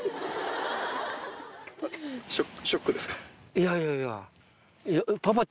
いやいやいや。